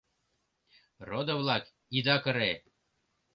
— Родо-влак, ида кыре!